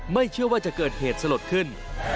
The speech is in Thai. ไม่เชื่อว่าจะเกิดเหตุสลดขึ้น